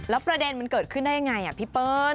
แล้วประเด็นมันเกิดขึ้นได้ยังไงพี่เปิ้ล